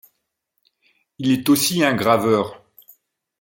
Il est aussi un graveur.